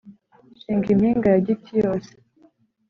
nshinga impinga ya giti yose